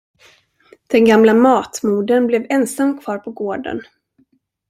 Den gamla matmodern blev ensam kvar på gården.